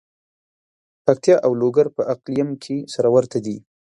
پکتیا او لوګر په اقلیم کې سره ورته دي.